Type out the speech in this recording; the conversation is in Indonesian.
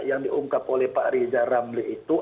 yang diungkap oleh pak riza ramli itu